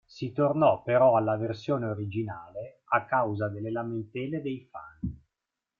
Si tornò però alla versione originale, a causa delle lamentele dei fan.